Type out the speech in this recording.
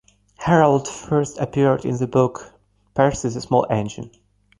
Harold first appeared in the book "Percy the Small Engine".